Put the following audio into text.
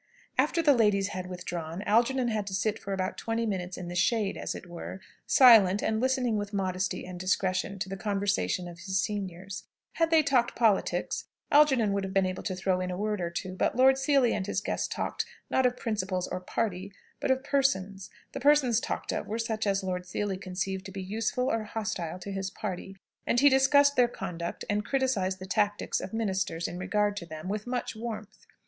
After the ladies had withdrawn, Algernon had to sit for about twenty minutes in the shade, as it were, silent, and listening with modesty and discretion to the conversation of his seniors. Had they talked politics, Algernon would have been able to throw in a word or two; but Lord Seely and his guest talked, not of principles or party, but of persons. The persons talked of were such as Lord Seely conceived to be useful or hostile to his party, and he discussed their conduct, and criticised the tactics of ministers in regard to them, with much warmth.